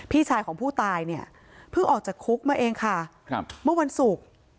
พี่ชายของผู้ตายเนี่ยเพิ่งออกจากคุกมาเองค่ะครับเมื่อวันศุกร์